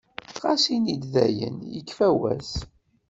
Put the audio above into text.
Ɣas ini dayen yekfa wass.